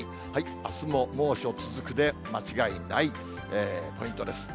あすも猛暑続くで間違いない、ポイントです。